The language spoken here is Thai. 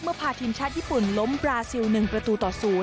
พาทีมชาติญี่ปุ่นล้มบราซิล๑ประตูต่อ๐